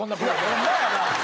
ホンマやな！